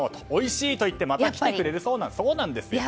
おいしい！と言ってまた来てくれるそうです。